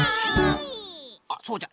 あっそうじゃ。